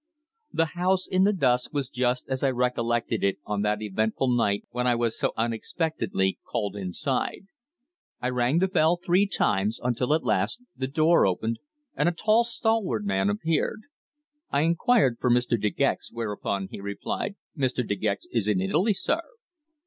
The house in the dusk was just as I recollected it on that eventful night when I was so unexpectedly called inside. I rang the bell three times, until at last the door opened and a tall, stalwart man appeared. I inquired for Mr. De Gex, whereupon he replied: "Mr. De Gex is in Italy, sir."